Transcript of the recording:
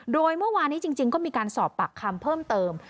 โดยเมื่อวานี้จริงก็มีการสอบปากคำเพิ่มเติม